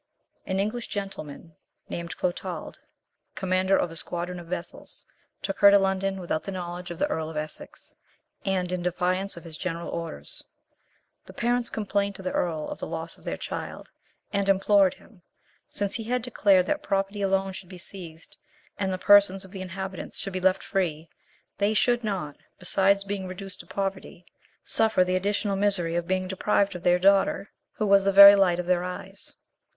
An English gentleman, named Clotald, commander of a squadron of vessels, took her to London without the knowledge of the Earl of Essex, and in defiance of his general orders. The parents complained to the earl of the loss of their child, and implored him, since he had declared that property alone should be seized, and the persons of the inhabitants should be left free, they should not, besides being reduced to poverty, suffer the additional misery of being deprived of their daughter, who was the very light of their eyes.